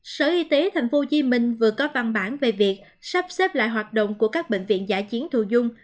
sở y tế tp hcm vừa có văn bản về việc sắp xếp lại hoạt động của các bệnh viện giả chiến thù dung